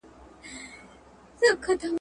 ډاکټر غني ولايتونو ته سفرونه وکړل.